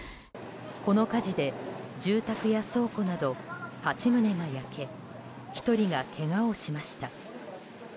この火事で、住宅や倉庫など８棟が焼け１人がけがをしました。